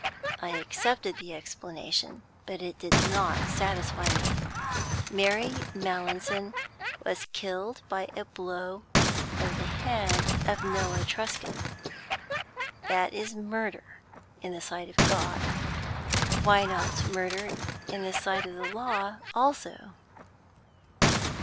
I accepted the explanation, but it did not satisfy me. Mary Mallinson was killed by a blow from the hand of Noah Truscott. That is murder in the sight of God. Why not murder in the sight of the law also?